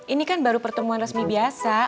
ini kan baru pertemuan resmi biasa